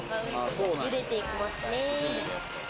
茹でていきますね。